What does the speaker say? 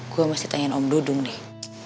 gue mesti tanyain om dudung deh